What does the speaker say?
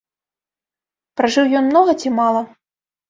Пражыў ён многа ці мала?